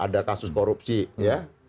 ada kasus korupsi ya